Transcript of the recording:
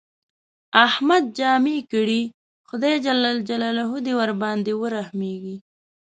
احمد جامې کړې، خدای ج دې ورباندې ورحمېږي.